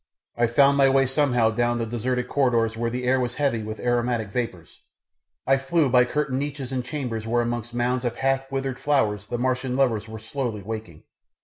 I found my way somehow down the deserted corridors where the air was heavy with aromatic vapours; I flew by curtained niches and chambers where amongst mounds of half withered flowers the Martian lovers were slowly waking.